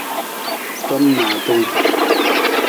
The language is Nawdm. Tom naatung.